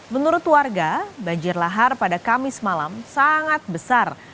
menurut warga banjir lahar pada kamis malam sangat besar